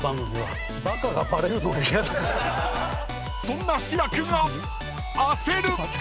［そんな志らくが焦る！］